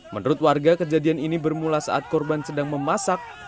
menurut warga kejadian ini bermula saat korban sedang memasak